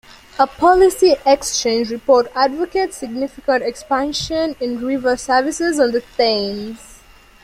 A Policy Exchange report advocates significant expansion in river services on the Thames.